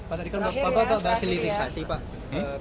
pak tadi kan bapak bahas ilitisasi pak